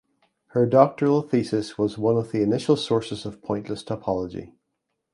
Her doctoral thesis was one of the initial sources of pointless topology.